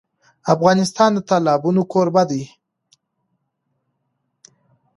افغانستان د تالابونه کوربه دی.